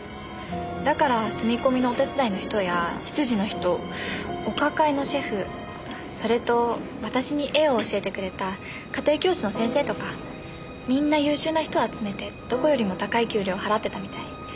だから住み込みのお手伝いの人や執事の人お抱えのシェフそれと私に絵を教えてくれた家庭教師の先生とかみんな優秀な人を集めてどこよりも高い給料を払ってたみたい。